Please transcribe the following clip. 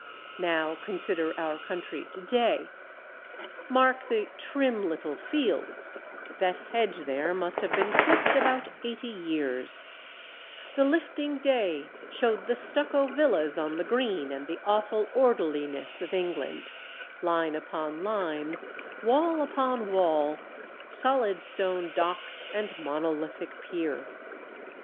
Now consider our country to day. Mark the "trim little fields"; "that hedge there must have been clipt about eighty years"; "The lifting day showed the stucco villas on the green and the awful orderliness of England line upon line, wall upon wall, solid stone dock and monolithic pier."